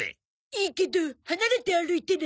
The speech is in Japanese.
いいけど離れて歩いてね。